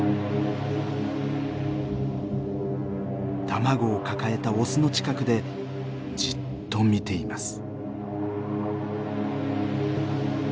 卵を抱えたオスの近くでじっと見ています。